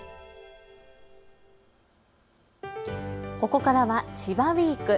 ここからは千葉ウイーク。